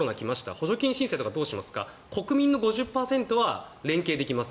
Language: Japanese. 補助金の申請どうしますか国民の５０％は連携できます